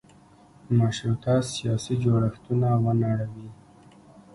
مشروطه سیاسي جوړښتونه ونړوي.